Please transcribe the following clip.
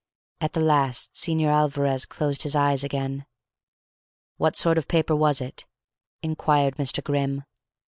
At the last Señor Alvarez closed his eyes again. "What sort of paper was it?" inquired Mr. Grimm.